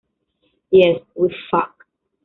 Yes, we fuck!